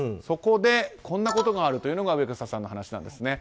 そこでこんなことがあるというのが植草さんの話です。